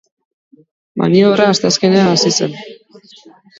Maniobra asteazkenean hasi zen.